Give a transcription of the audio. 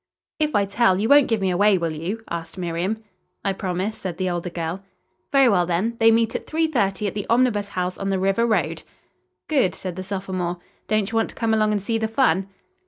"If I tell, you won't give me away, will you?" asked Miriam. "I promise," said the older girl. "Very well, then. They meet at three thirty at the Omnibus House on the River road." "Good," said the sophomore. "Don't you want to come along and see the fun?"